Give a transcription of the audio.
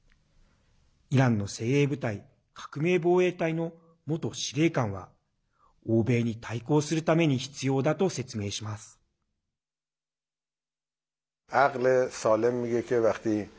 イランの精鋭部隊革命防衛隊の元司令官は欧米に対抗するために必要だと説明します。